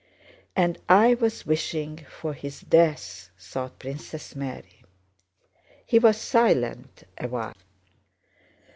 "And I was wishing for his death!" thought Princess Mary. He was silent awhile.